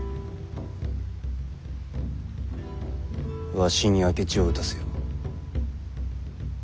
わしに明智を討たせよ。